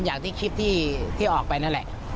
อย่างที่คลิปที่ออกไปนั่นแหละ